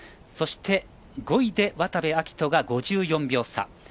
そして、５位で渡部暁斗が５４秒差。